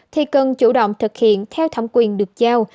thì cần chủ động thực hiện theo thẩm quyền được giao